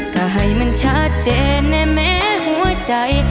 ก็ให้มันชัดเจนแน่แม้หัวใจ